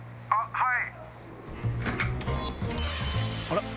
はい！